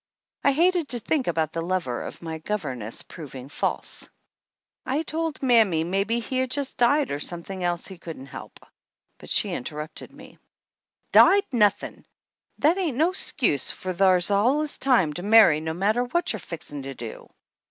I hated to think about the lover of my governess proving false ! I told mammy maybe he had just died or some thing else he couldn't help. But she interrupted me. 146 THE ANNALS OF ANN "Died nothin'! That ain't no excuse, for thar's allus time to marry no matter what you're fixin' to do.